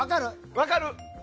分かる？